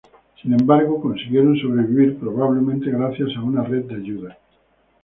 Sin embargo, consiguieron sobrevivir, probablemente gracias a una red de ayuda.